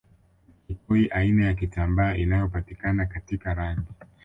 kikoi aina ya kitambaa inayopatikana katika rangi